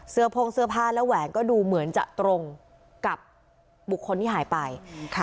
พ่งเสื้อผ้าและแหวนก็ดูเหมือนจะตรงกับบุคคลที่หายไปค่ะ